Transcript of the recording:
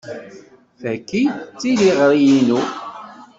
Tagi d tiliɣri-inu.